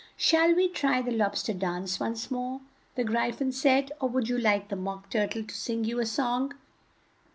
"Shall we try the Lob ster dance once more?" the Gry phon went on, "or would you like the Mock Tur tle to sing you a song?"